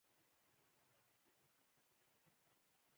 تلپاتې سوله د ملي حاکمیت او راتلونکي